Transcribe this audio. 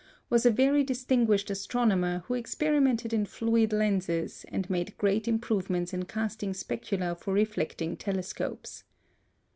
was a very distinguished astronomer who experimented in fluid lenses and made great improvements in casting specula for reflecting telescopes.